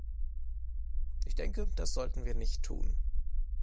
Ich denke, das sollten wir nicht tun.